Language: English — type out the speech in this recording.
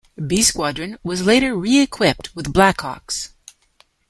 'B' Squadron was later re-equipped with Black Hawks.